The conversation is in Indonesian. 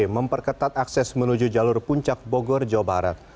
memperketat akses menuju jalur puncak bogor jawa barat